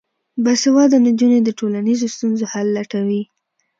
باسواده نجونې د ټولنیزو ستونزو حل لټوي.